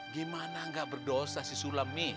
gimana gak berdosa si sulam mi